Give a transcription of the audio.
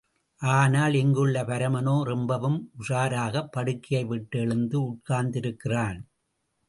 ஆனால் இங்குள்ள பரமனோ, ரொம்பவும் உஷாராகப் படுக்கையை விட்டு, எழுந்தே உட்கார்ந்திருக்கிறான்.